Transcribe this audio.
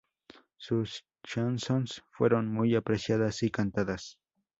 Sus "chansons" fueron muy apreciadas y cantadas.